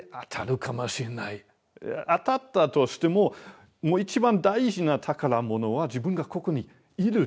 当たったとしてももう一番大事な宝物は自分がここにいるという。